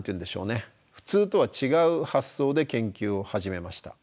普通とは違う発想で研究を始めました。